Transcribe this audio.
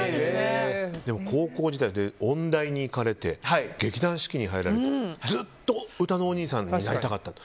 でも、音大に行かれて劇団四季に入られてずっとうたのおにいさんになりたかった。